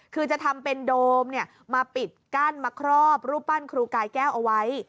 คือจะทำเป็นโดมมาปิดกั้นมาครอบรูปปั้นครูกายแก้วเอาไว้